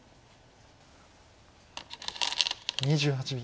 ２８秒。